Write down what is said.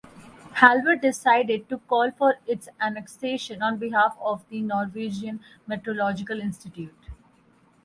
Hallvard decided to call for its annexation on behalf of the Norwegian Meteorological Institute.